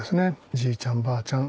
じいちゃんばあちゃん。